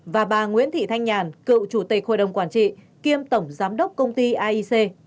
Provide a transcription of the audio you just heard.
và bà nguyễn thị thanh nhàn cựu chủ tịch hội đồng quản trị kiêm tổng giám đốc công ty aic